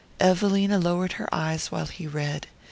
Evelina lowered her lids while he read.